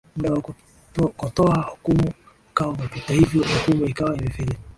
Muda wa kotoa hukumu ukawa umepita hivyo hukumu ikawa imefeli